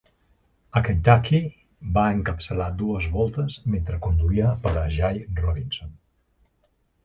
A Kentucky, va encapçalar dues voltes mentre conduïa per a Jay Robinson.